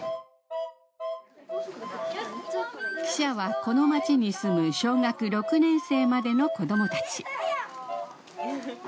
記者はこの町に住む小学６年生までの子どもたち。